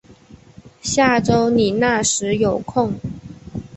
下周你那时有空